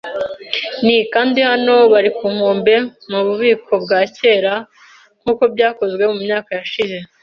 ni; kandi hano bari ku nkombe mububiko bwa kera, nkuko byakozwe mu myaka yashize